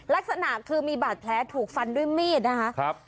ลักษณะคือมีบาดแผลถูกฟันด้วยมีดนะคะ